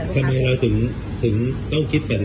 ทำไมเราถึงต้องคิด๘๕บาท